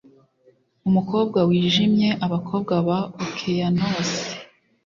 umukobwa wijimye, Abakobwa ba Okeanos.